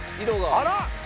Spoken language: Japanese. あら！